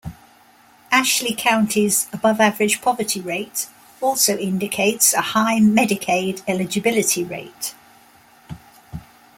Ashley County's above-average poverty rate also indicates a high Medicaid eligibility rate.